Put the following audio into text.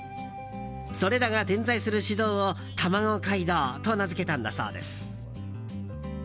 それらが点在する市道をたまご街道と名付けたんだそうです。